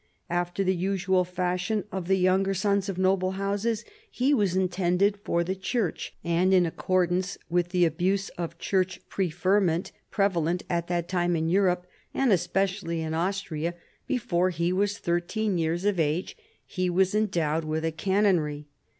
After the usual fashion of the younger sons of noble houses, he was intended for the Church, and in accordance with the abuse of Church preferment prevalent at that time in Europe, and especially in Austria, before he was thirteen years of age he was endowed with a canonry.